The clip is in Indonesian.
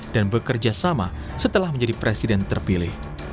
dan bekerja sama setelah menjadi presiden terpilih